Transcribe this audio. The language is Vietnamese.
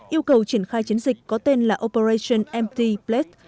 yêu cầu triển khai chiến dịch có tên là operation empty plate